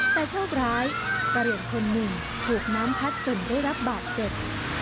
แต่โชคร้ายกระเหลี่ยงคนหนึ่งถูกน้ำพัดจนได้รับบาดเจ็บ